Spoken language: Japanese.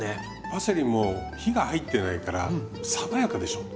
パセリも火が入ってないから爽やかでしょ？